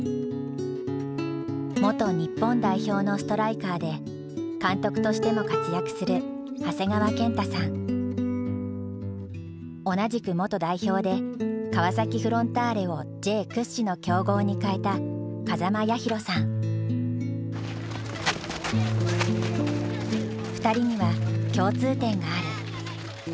元日本代表のストライカーで監督としても活躍する同じく元代表で川崎フロンターレをＪ屈指の強豪に変えた２人には共通点がある。